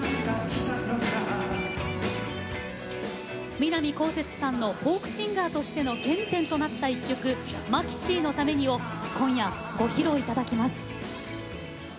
南こうせつさんのフォークシンガーとしての原点となった一曲「マキシーのために」を今夜、ご披露いただきます。